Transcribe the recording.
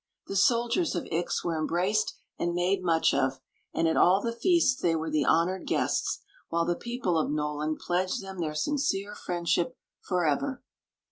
The sol^ diers of Ix were embraced and made much of; and at all the feasts they were the honored guests, while the people of Noland pledged them their sincere f^endship forever.